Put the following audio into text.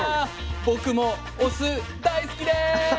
僕もお酢大好きです！